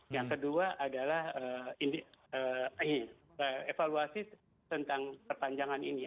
yang kedua adalah evaluasi tentang perpanjangan ini